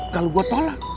kalau gue tolak